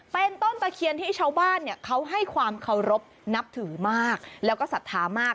เป็นต้นตะเคียนที่ชาวบ้านเนี่ยเขาให้ความเคารพนับถือมากแล้วก็ศรัทธามาก